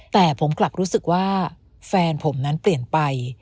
แต่ผมกลับรู้สึกว่าแฟนผมนั้นเปลี่ยนไป